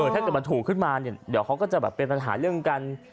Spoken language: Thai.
ถ้าเกิดมันถูกขึ้นมาเนี่ยเดี๋ยวเขาก็จะแบบเป็นปัญหาเรื่องการ